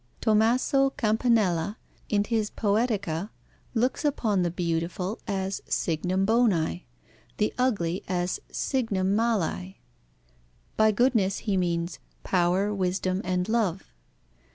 Tommaso Campanella, in his Poetica, looks upon the beautiful as signum boni, the ugly as signum mali. By goodness, he means Power, Wisdom, and Love.